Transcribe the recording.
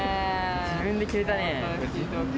自分で決めたね。